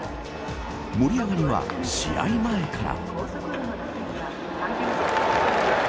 盛り上がりは、試合前から。